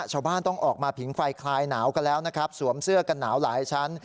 ชาวบ้านต้องออกมาผิงไฟคลายหนาวกันแล้วนะครับสวมเสื้อกันหนาวหลายชั้น